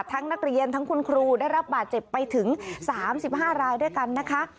นักเรียนทั้งคุณครูได้รับบาดเจ็บไปถึง๓๕รายด้วยกันนะคะ